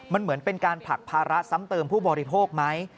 มันเหมือนเป็นการผลักภาระซ้ำเติมผู้บริโภคไหม